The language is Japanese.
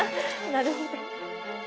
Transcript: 「なるほど」。